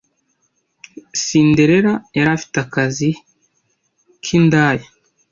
Cinderella yari afite akazi ki Indaya